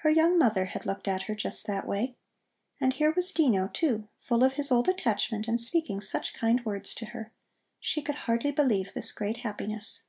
Her young mother had looked at her just that way. And here was Dino, too, full of his old attachment, and speaking such kind words to her. She could hardly believe this great happiness.